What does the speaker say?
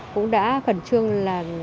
cũng đã khẩn trương là